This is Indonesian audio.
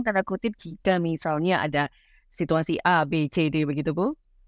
karena kutip kita misalnya ada situasi a b c d begitu bu